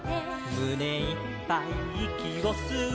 「むねいっぱいいきをすうのさ」